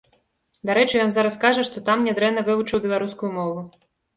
Дарэчы, ён зараз кажа, што там нядрэнна вывучыў беларускую мову.